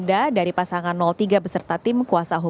gambar yang anda saksikan saat ini adalah